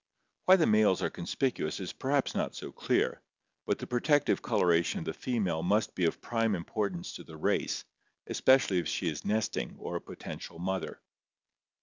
Why the males are conspicuous is perhaps not so clear, but the protective coloration of the female must be of prime im portance to the race, especially if she is nesting or a potential mother.